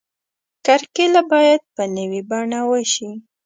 کرکیله باید په نوې بڼه وشي.